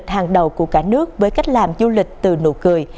hàng đầu của cả nước với cách làm du lịch từ nụ cười